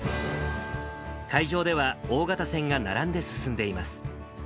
海上では大型船が並んで進んでいます。